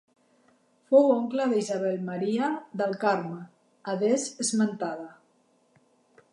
Fou oncle d'Isabel Maria del Carme, adés esmentada.